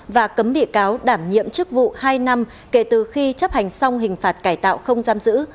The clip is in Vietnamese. và cấm bị cáo đảm nhiệm chức vụ hai năm kể từ khi chấp hành xong hình phạt cải tạo không giam giữ